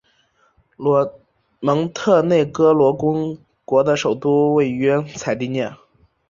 蒙特内哥罗公国的首都位于采蒂涅。